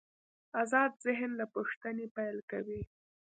آزاد ذهن له پوښتنې پیل کوي.